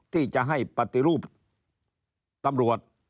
ที่จะให้ปฏิรูปตำรวจ